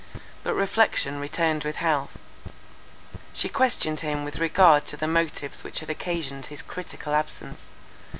But reflection returned with health. She questioned him with regard to the motives which had occasioned his critical absence.